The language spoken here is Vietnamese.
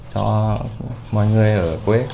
cho mọi người ở quê